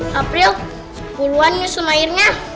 kaprio sepuluhan nyusun airnya